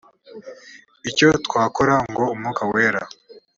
icyo twakora ngo umwuka wera